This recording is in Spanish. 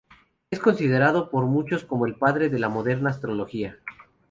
Es considerado por muchos como el padre de la moderna astrología.